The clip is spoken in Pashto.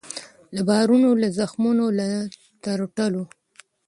له بارونو له زخمونو له ترټلو